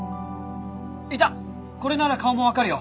これなら顔もわかるよ。